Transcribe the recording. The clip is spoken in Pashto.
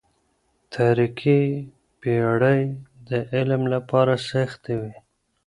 تاريکي پېړۍ د علم لپاره سختې وې.